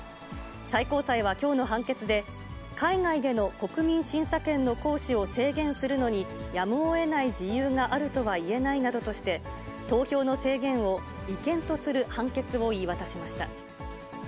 最高裁はきょうの判決で、海外での国民審査権の行使を制限するのにやむをえない事由があるとはいえないなどとして、投票の制限を違憲とする判決を言い渡しました。